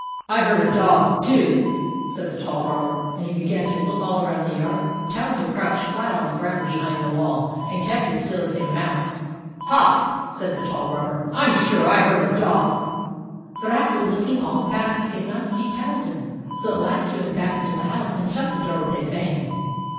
" I heard a dog, too," said the tall robber ; and he began to look all around the yard. Towser crouched flat on the ground behind the wall, and kept as still as a mouse. " Huh I " said the tall robber. " I m sure I heard a dog." But after looking all about, he could not see Towser, so at last he went back into the house and shut the door with a bang.